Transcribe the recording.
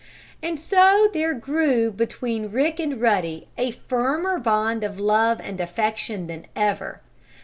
And so there grew between Rick and Ruddy a firmer bond of love and affection than ever.